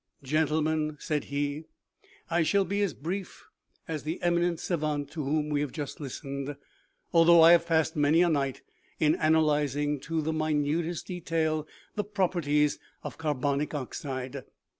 " Gentlemen," said he, "I shall be as brief as the emi nent savant to whom we have just listened, although I have passed many a night in analyzing, to the minutest detail, the properties of carbonic oxide.